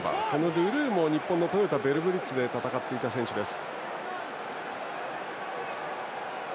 ルルーも日本のトヨタヴェルブリッツで戦っていた選手です。